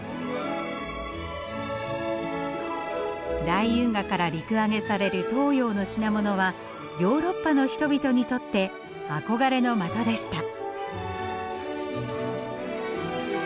大運河から陸揚げされる東洋の品物はヨーロッパの人々にとって憧れの的でした。